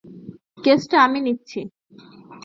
কেসটা আমি নিচ্ছি।